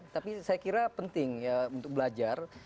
tapi saya kira penting ya untuk belajar